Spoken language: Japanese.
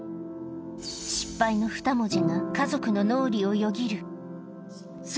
失敗の二文字が家族の脳裏をよぎる。